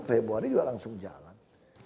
februari juga langsung jalan